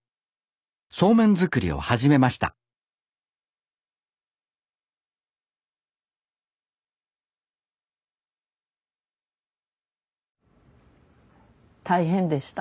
そうめん作りを始めました大変でした。